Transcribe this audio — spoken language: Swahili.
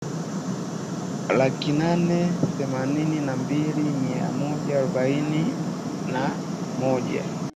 laki nane themanini na mbili mia moja arobaini na moja